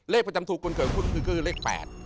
เลขประจำตูกลางคืนก็คือเลข๘